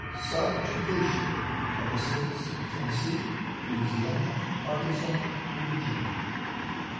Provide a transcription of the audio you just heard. Subjugation of the States of Tennessee, Louisiana, Arkansas, and Virginia.